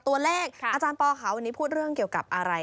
ตัวแรกอาจารย์ปว่าขาวนี้พูดเรื่องเกี่ยวกับอะไร